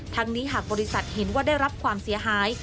นี้หากบริษัทเห็นว่าได้รับความเสียหาย